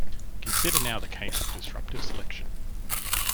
Consider now the case of disruptive selection.